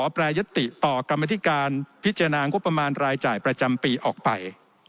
แปรยติต่อกรรมธิการพิจารณางบประมาณรายจ่ายประจำปีออกไป